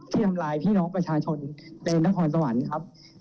ทำลายพี่น้องประชาชนในนครสวรรค์ครับ